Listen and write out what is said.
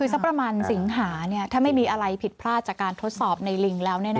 สักประมาณสิงหาถ้าไม่มีอะไรผิดพลาดจากการทดสอบในลิงแล้ว